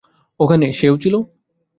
ওখানে সেও ছিল?